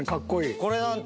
これなんて。